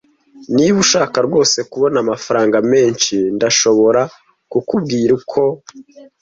Niba ushaka rwose kubona amafaranga menshi, ndashobora kukubwira uko.